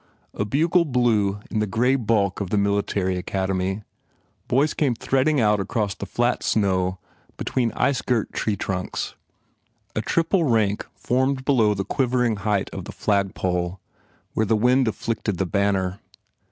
A bugle blew in the grey bulk of the Military Academy. Boys came threading out across the flat snow between ice girt tree trunks. A triple rank formed below the quivering height of the flagpole where the wind afflicted the banner.